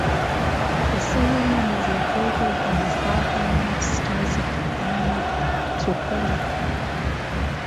The settlement is located on the southern outskirts of the plain of Tripoli.